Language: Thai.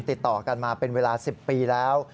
ติดต่อกันมาเป็นเวลา๑๐ปีแล้ว